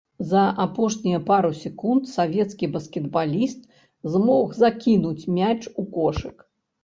За апошнія пару секунд савецкі баскетбаліст змог закінуць мяч у кошык.